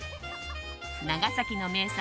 長崎の名産